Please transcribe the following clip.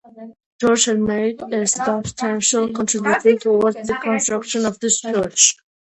George had made a substantial contribution towards the construction of this church.